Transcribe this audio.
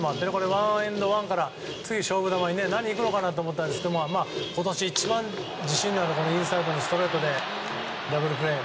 ワンエンドワンから勝負球何いくかなと思ったら今年一番自信のあるインサイドのストレートでダブルプレー。